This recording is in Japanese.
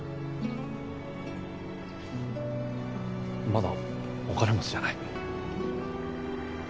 まだお金持ちじゃない。